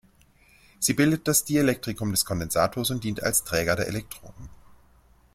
Sie bildet das Dielektrikum des Kondensators und dient als Träger der Elektroden.